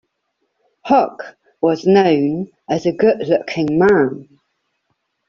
Hogg was known as a good-looking man.